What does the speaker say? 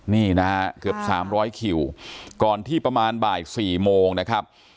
นี่นะฮะเกือบ๓๐๐คิวก่อนที่ประมาณบ่าย๔โมงนะครับ